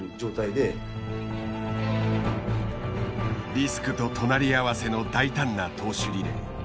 リスクと隣り合わせの大胆な投手リレー。